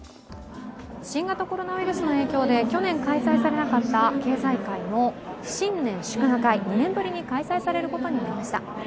新型コロナウイルスの影響で去年開催されなかった経済界の新年祝賀会、２年ぶりに開催されることになりました。